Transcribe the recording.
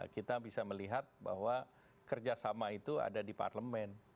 kita bisa melihat bahwa kerjasama itu ada di parlemen